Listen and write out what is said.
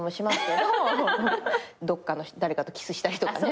どっかの誰かとキスしたりとかね。